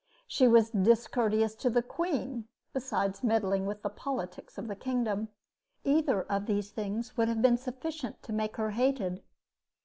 She was discourteous to the queen, besides meddling with the politics of the kingdom. Either of these things would have been sufficient to make her hated.